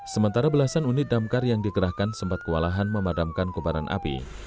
sementara belasan unit damkar yang dikerahkan sempat kewalahan memadamkan kobaran api